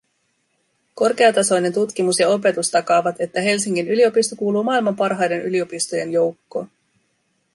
Korkeatasoinen tutkimus ja opetus takaavat, että Helsingin yliopisto kuuluu maailman parhaiden yliopistojen joukkoon.